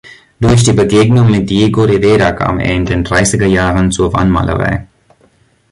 Durch die Begegnung mit Diego Rivera kam er in den dreißiger Jahren zur Wandmalerei.